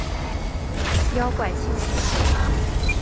妖怪轻喜剧！